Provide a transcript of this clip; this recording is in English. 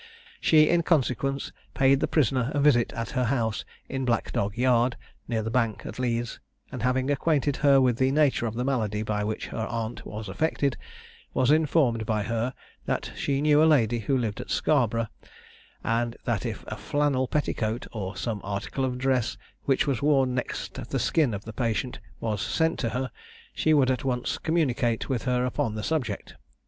She, in consequence, paid the prisoner a visit at her house in Black Dog Yard, near the bank, at Leeds, and having acquainted her with the nature of the malady by which her aunt was affected, was informed by her, that she knew a lady, who lived at Scarborough, and that if a flannel petticoat or some article of dress, which was worn next the skin of the patient, was sent to her, she would at once communicate with her upon the subject.